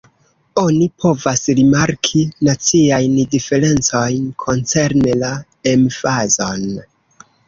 Oni povas rimarki naciajn diferencojn koncerne la emfazon.